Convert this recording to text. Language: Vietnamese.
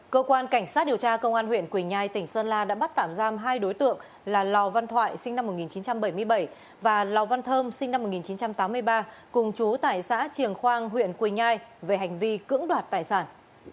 cơ quan cảnh sát điều tra công an huyện quỳnh nhai tỉnh sơn la đã bắt tạm giam hai đối tượng là lò văn thoại sinh năm một nghìn chín trăm bảy mươi bảy và lò văn thơm sinh năm một nghìn chín trăm tám mươi ba cùng chú tại xã triềng khoang huyện quỳnh nhai về hành vi cưỡng đoạt tài sản